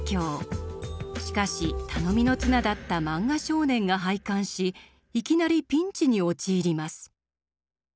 しかし頼みの綱だった「漫画少年」が廃刊しいきなりピンチに陥ります。